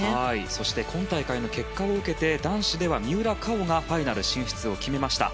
そして今大会の結果を受けて男子では三浦佳生がファイナル進出を決めました。